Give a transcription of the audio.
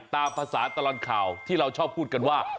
ตามภาษาตลอดข่าวที่เราชอบพูดกันว่า